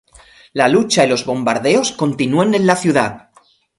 La lucha y los bombardeos continúan en la ciudad.